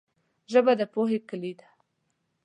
ژبه د پوهې کلي ده